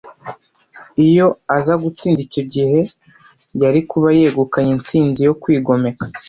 Iyo aza gutsinda icyo gihe, yari kuba yegukanye intsinzi yo kwigomeka